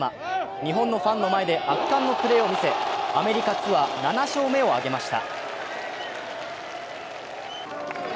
日本のファンの前で圧巻のプレーを見せ、アメリカツアー７勝目を挙げました。